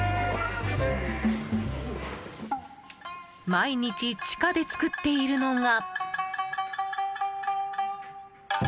毎日、地下で作っているのが。